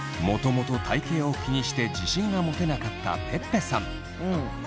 もともと体型を気にして自信が持てなかったぺっぺさん。